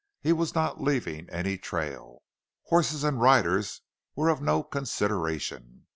He was not leaving any trail. Horses and riders were of no consideration.